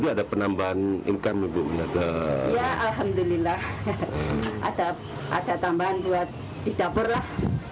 ada tambahan buat di dapur lah